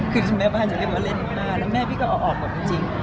คือแม่บ้านจะเรียกว่าเล่นมากแล้วแม่พี่ก็เอาออกหมดจริง